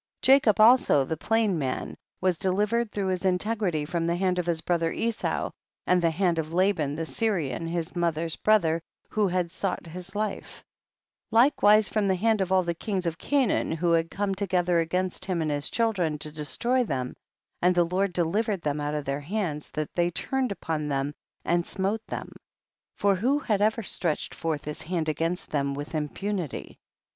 37. Jacob also, the plain man, was delivered through his integrity from the hand of his brother Esau, and the hand of Laban the Syrian his mother's brother, who had sought hi» life ; likewise from the hand of all the kings of Canaan who had come together against him and his children to destroy them, and the Lord deliv ered them out of their hands, that they turned upon them and smote them, for who had ever stretched forth his hand against them with im punity